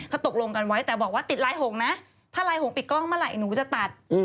เขาตกลงกันไว้แต่บอกว่าติดลายหงษ์นะถ้าลายหงปิดกล้องเมื่อไหร่หนูจะตัด